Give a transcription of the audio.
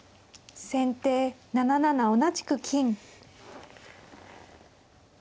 先手７七同じく金。